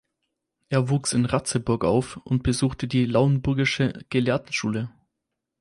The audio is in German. Er wuchs in Ratzeburg auf und besuchte die Lauenburgische Gelehrtenschule.